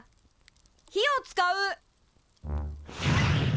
火を使う！